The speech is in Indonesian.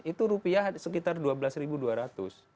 itu rupiah sekitar rp dua belas dua ratus